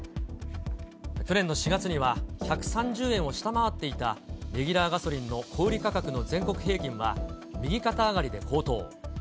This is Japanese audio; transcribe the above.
去年の４月には、１３０円を下回っていたレギュラーガソリンの小売り価格の全国平均は右肩上がりで高騰。